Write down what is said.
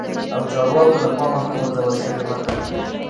او چارواکو له پا مه هم غور ځول شوي وه